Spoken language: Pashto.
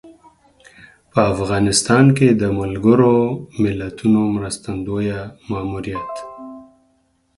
په افغانستان کې د ملګر ملتونو مرستندویه ماموریت